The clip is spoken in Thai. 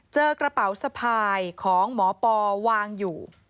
เจอกระเป๋าสะพายของหมอปอวางอยู่